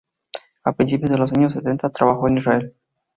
A principios de los años setenta trabajó en Israel.